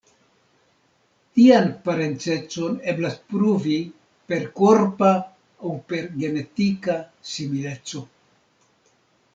Tian parencecon eblas pruvi per korpa aŭ per genetika simileco.